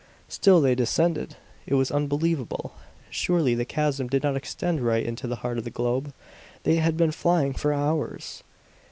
Still they descended! It was unbelievable; surely the chasm did not extend right into the heart of the globe. They had been flying for hours!